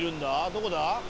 どこだ？」